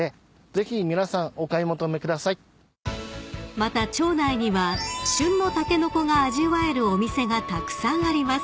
［また町内には旬のタケノコが味わえるお店がたくさんあります］